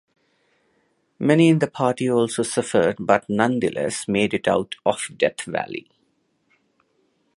Many in the party also suffered but nonetheless made it out of Death Valley.